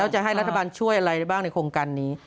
จะให้รัฐบาลช่วยอะไรได้บ้างในโครงการนี้